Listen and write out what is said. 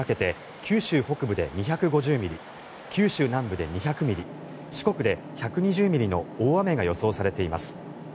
九州南部で２００ミリ四国で１２０ミリの大雨が予想されています。